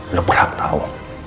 anda berhak tahu